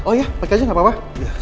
oh iya pake aja nggak apa apa